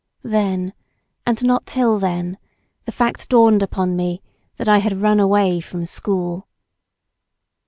Then, and not till then, the fact dawned upon me that I had run away from school.